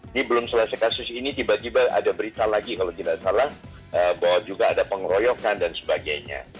ini belum selesai kasus ini tiba tiba ada berita lagi kalau tidak salah bahwa juga ada pengeroyokan dan sebagainya